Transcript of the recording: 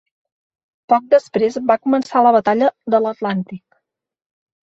Poc després va començar la batalla de l'Atlàntic.